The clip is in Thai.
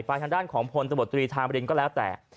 ประทานด้านของโพนตมตรีทางบรินก็แล้วแต่